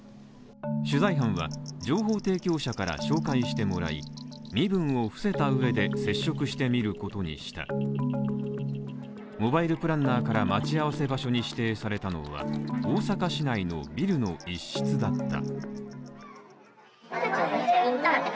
取材班は情報提供者から紹介してもらい身分を伏せた上で接触してみることにしたモバイルプランナーから待ち合わせ場所に指定されたのは大阪市内のビルの一室だった。